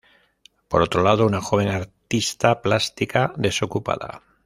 Por otro lado, una joven artista plástica desocupada.